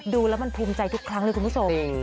ดูแล้วมันภูมิใจทุกครั้งเลยคุณผู้ชม